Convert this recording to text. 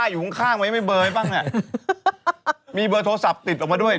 อ๋อนึกว่าเมียเขามาด้วย